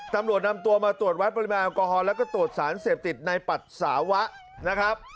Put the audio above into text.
ตำรวจนำตัวมาตรวจวัดปริมาณแอลกอฮอลแล้วก็ตรวจสารเสพติดในปัสสาวะนะครับ